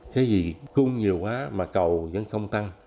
cái gì cung nhiều quá mà cầu vẫn không tăng